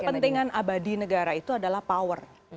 kepentingan abadi negara itu adalah power